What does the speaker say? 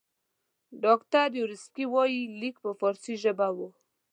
ډاکټر یاورسکي وایي لیک په فارسي ژبه وو.